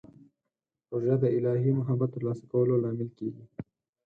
روژه د الهي محبت ترلاسه کولو لامل کېږي.